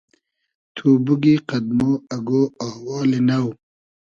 تو بوگی قئد مۉ اگۉ آوالی نۆ